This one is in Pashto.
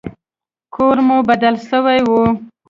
کور مو بدل سوى و.